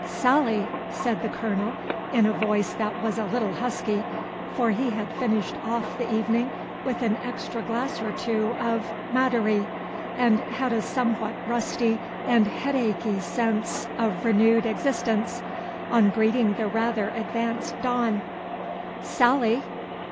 "Sally!" said the Colonel, in a voice that was a little husky, for he had finished off the evening with an extra glass or two of "Madary," and had a somewhat rusty and headachy sense of renewed existence, on greeting the rather advanced dawn, "Sally!"